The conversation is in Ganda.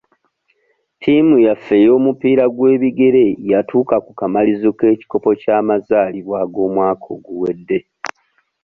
Ttiimu yaffe ey'omupiira gw'ebigere yatuuka ku kamalirizo k'ekikopo ky'amazaalibwa ag'omwaka oguwedde.